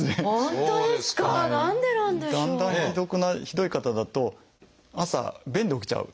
ひどい方だと朝便で起きちゃう。